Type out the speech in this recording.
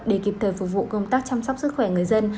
để kịp thời phục vụ công tác chăm sóc sức khỏe người dân